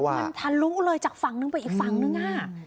มันทะลุเลยจากฝั่งนึงไปอีกฝั่งนึง